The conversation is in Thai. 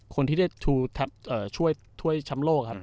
คนที่ได้ช่วยช้ำโลกครับ